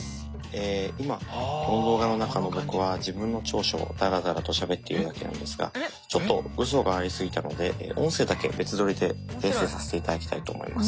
今この動画の中の僕は自分の長所をダラダラとしゃべっているわけなんですがちょっとうそがありすぎたので音声だけ別撮りで訂正させていただきたいと思います。